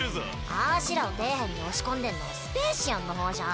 あしらを底辺に押し込んでんのはスペーシアンの方じゃん。